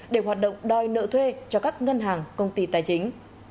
để hoạt động đòi nợ thuê cho các ngân hàng công ty tài chính